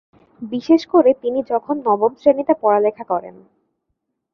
বিশেষ করে তিনি যখন নবম শ্রেণিতে পড়ালেখা করেন।